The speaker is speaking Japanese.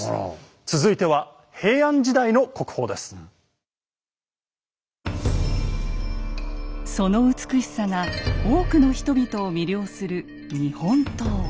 続いてはその美しさが多くの人々を魅了する日本刀。